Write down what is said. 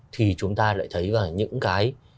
thì chúng ta lại thấy là những cái